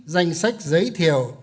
danh sách giới thiệu